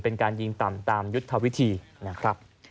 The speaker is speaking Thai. เป็นการยิงต่ำตามยุทธวิธีนะครับ